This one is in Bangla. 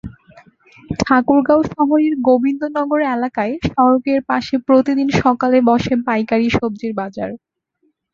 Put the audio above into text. ঠাকুরগাঁও শহরের গোবিন্দনগর এলাকায় সড়কের পাশে প্রতিদিন সকালে বসে পাইকারি সবজির বাজার।